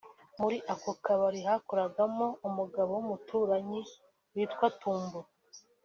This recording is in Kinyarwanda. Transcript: muri ako kabari hakoragamo umugabo w’umuturanyi witwaga Tumbo